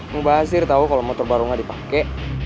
mbak azir tau kalo motor baru gak dipake